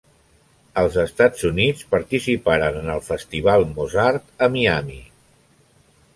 Als Estats Units, participaren en el festival Mozart a Miami.